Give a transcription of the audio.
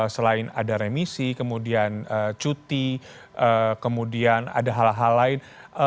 selain ada remisi kemudian cuti kemudian ada hal hal lain